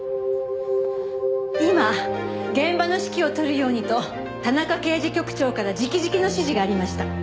今現場の指揮を執るようにと田中刑事局長から直々の指示がありました。